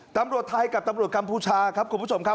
ตำรวจไทยกับตำรวจกัมพูชาครับคุณผู้ชมครับ